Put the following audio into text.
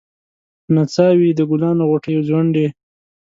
په نڅا وې د ګلانو غوټۍ ځونډي